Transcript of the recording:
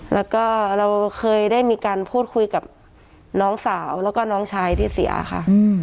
แล้วก็เราเคยได้มีการพูดคุยกับน้องสาวแล้วก็น้องชายที่เสียค่ะ